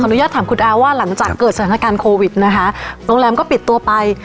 อนุญาตถามคุณอาว่าหลังจากเกิดสถานการณ์โควิดนะคะโรงแรมก็ปิดตัวไป